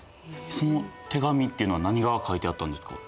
その手紙っていうのは何が書いてあったんですか？